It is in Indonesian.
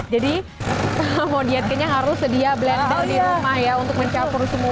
jadi mau dietnya harus sedia blender di rumah ya untuk mencapur semua